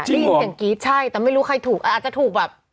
ได้ยินเสียงกรี๊ดใช่แต่ไม่รู้ใครถูกอาจจะถูกแบบ